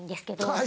はい。